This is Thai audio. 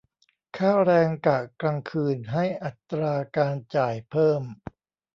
ค่าแรงกะกลางคืนให้อัตราการจ่ายเพิ่ม